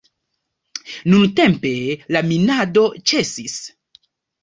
Nuntempe la minado ĉesis.